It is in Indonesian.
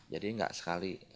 jadi nggak sekali